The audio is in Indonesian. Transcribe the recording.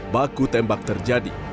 baku tembak terjadi